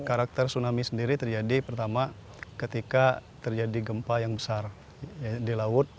karakter tsunami sendiri terjadi pertama ketika terjadi gempa yang besar di laut